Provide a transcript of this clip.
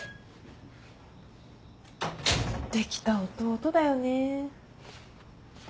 できた弟だよね。